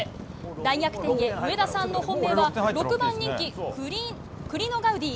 大逆転へ上田さんの本命は６番人気、クリノガウディー。